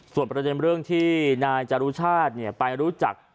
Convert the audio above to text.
ส่วนประเด็นเรื่องที่นายจรุชาติไปรู้จัก